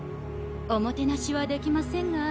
おもてなしはできませんが。